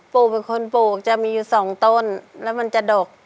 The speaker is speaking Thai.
ปู่เป็นคนปลูกจะมีอยู่สองต้นแล้วมันจะดก